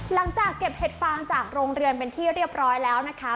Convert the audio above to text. หลังจากเก็บเห็ดฟางจากโรงเรือนเป็นที่เรียบร้อยแล้วนะคะ